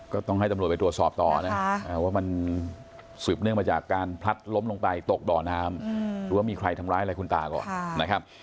ก็ต้องให้ตำรวจไปตรวจสอบต่อนะว่ามันสืบเนื่องมาจากการพลัดล้มลงไปตกบ่อน้ำหรือว่ามีใครทำร้ายอะไรคุณตาก่อนนะครับ